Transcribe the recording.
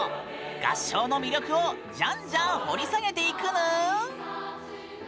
合唱の魅力をじゃんじゃん掘り下げていくぬーん！